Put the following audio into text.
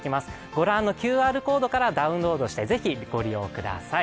ご覧のＱＲコードからダウンロードして、ぜひご利用ください。